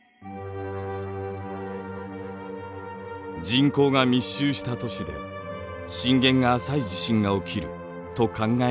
人口が密集した都市で震源が浅い地震が起きると考えられている場所があります。